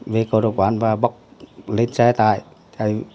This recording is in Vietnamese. về cầu đào quán và bóc lên xe tải